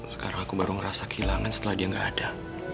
sekarang aku baru ngerasa kehilangan setelah dia gak ada